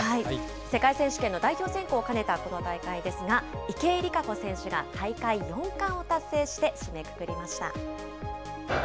世界選手権の代表選考を兼ねたこの大会ですが、池江璃花子選手が大会４冠を達成して締めくくりました。